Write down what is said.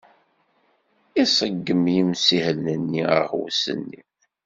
Iṣeggem yimsihel-nni aɣwes-nni.